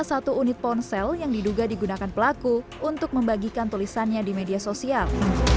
salah satu unit ponsel yang diduga digunakan pelaku untuk membagikan tulisannya di media sosial